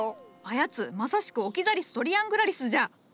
あやつまさしくオキザリス・トリアングラリスじゃ。